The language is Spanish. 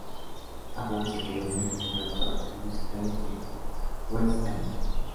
Adam se quedó en Londres para actuar en musicales del West End.